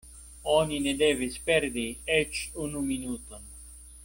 Oni ne devis perdi eĉ unu minuton.